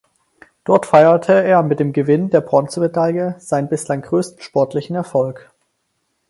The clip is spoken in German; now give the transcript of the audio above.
Dort feierte er mit dem Gewinn der Bronzemedaille seinen bislang größten sportlichen Erfolg.